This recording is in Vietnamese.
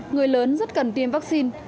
người lớn rất cần tiêm vaccine